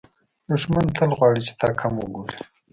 دښمن تل غواړي چې تا کم وګوري